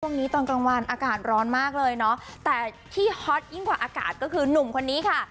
ตอนกลางวันอากาศร้อนมากเลยเนาะแต่ที่ฮอตยิ่งกว่าอากาศก็คือหนุ่มคนนี้ค่ะ